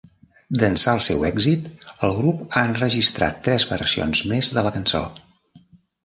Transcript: D'ençà el seu èxit, el grup ha enregistrat tres versions més de la cançó.